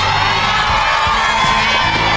รับทราบ